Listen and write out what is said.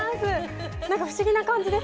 何か不思議な感じですね。